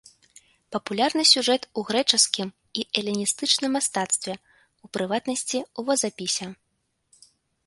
Папулярны сюжэт у грэчаскім і эліністычным мастацтве, у прыватнасці, у вазапісе.